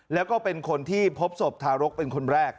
แล้วก็เป็นคนที่พบศพทารกเป็นคนแรก